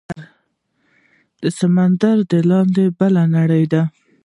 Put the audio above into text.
د سمندر لاندې بله نړۍ ده